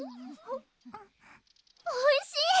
おいしい！